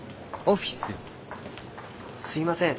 すいません